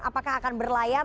apakah akan berlayar